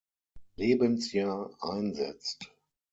Lebensjahr einsetzt.